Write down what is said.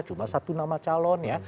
cuma satu nama calon ya